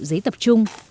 giấy tập trung